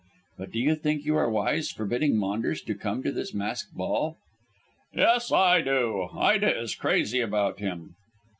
But do you think you are wise forbidding Maunders to come to this masked ball?" "Yes, I do. Ida is crazy about him."